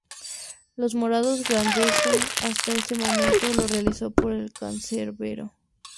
Los Morados agradecen hasta este momento lo realizado por el cancerbero.